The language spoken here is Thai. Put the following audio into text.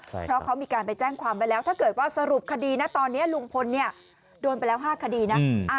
เพราะเขามีการไปแจ้งความไว้แล้วถ้าเกิดว่าสรุปคดีนะตอนนี้ลุงพลเนี่ยโดนไปแล้ว๕คดีนะ